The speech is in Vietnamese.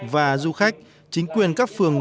và du khách chính quyền các phường